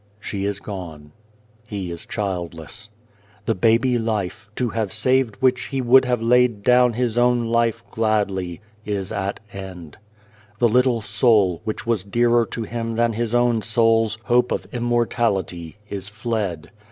She is gone. ... He is childless. ... The baby life, to have saved which he would have laid down his own life gladly, is at end. The ittle soul, which was dearer to him than his own soul's hope of immortality, is fled.